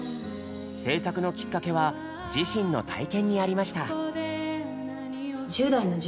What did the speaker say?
制作のきっかけは自身の体験にありました。